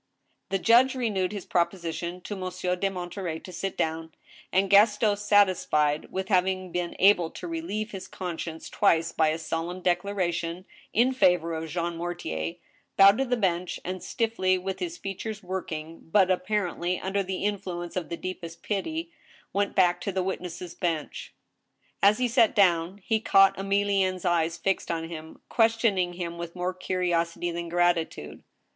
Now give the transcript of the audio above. The judge renewed his proposition to Monsieur de Monterey to sit down ; and Gaston, satisfied with having been able to relieve his conscience twice by a solemn declaration in favor of Jean Mor tier, bowed to the bench, and stiffly, with his features working, but apparently under the influence of the deepest pity, went back to the witnesses* bench. As he sat dovra, he caught Emilienne's eyes fixed on him, ques tioning him with more curiosity than gratitude.